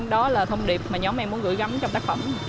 đó là thông điệp mà nhóm em muốn gửi gắm trong tác phẩm